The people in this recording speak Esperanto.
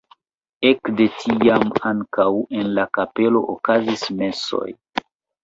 Ekde tiam ankaŭ en la kapelo okazis mesoj.